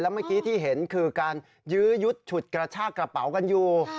เมื่อกี้ที่เห็นคือการยื้อยุดฉุดกระชากระเป๋ากันอยู่